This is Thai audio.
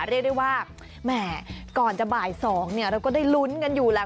เรียกได้ว่าแหมก่อนจะบ่าย๒เราก็ได้ลุ้นกันอยู่แล้ว